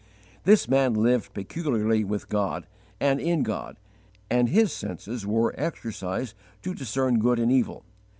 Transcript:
This man lived peculiarly with God and in God, and his senses were exercised to discern good and evil.